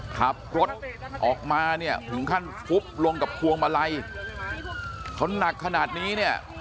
ขับรถออกมาเนี่ยถึงขั้นฟุบลงกับพวงมาลัยเขาหนักขนาดนี้เนี่ย